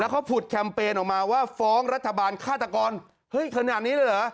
เขาผุดแคมเปญออกมาว่าฟ้องรัฐบาลฆาตกรเฮ้ยขนาดนี้เลยเหรอ